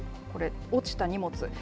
これ、落ちた荷物。